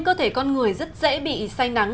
cơ thể con người rất dễ bị say nắng